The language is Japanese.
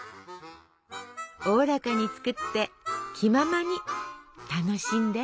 おおらかに作って気ままに楽しんで。